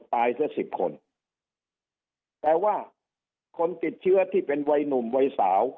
ตายซะสิบคนแต่ว่าคนติดเชื้อที่เป็นวัยหนุ่มวัยสาว